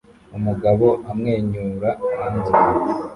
Umugabo amwenyura hanze